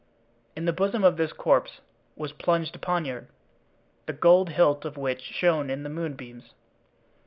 In the bosom of this corpse was plunged a poniard, the gold hilt of which shone in the moonbeams.